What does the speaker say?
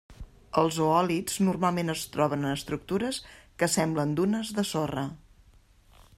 Els oòlits normalment es troben en estructures que semblen dunes de sorra.